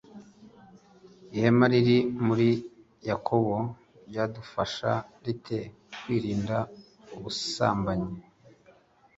Ihame riri muri Yakobo ryadufasha rite kwirinda ubusambanyi